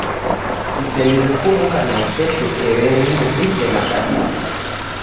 Mseliw'e kuw'uka naikesho ereri muvike na kadime.